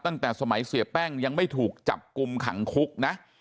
ตั้งแต่สมัยเสียแป้งยังไม่ถูกจับกลุ่มขังคุกนะ